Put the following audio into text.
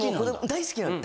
大好きなの。